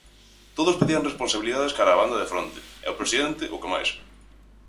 Todos pedían responsabilidades cara á banda de fronte e o presidente, o que máis.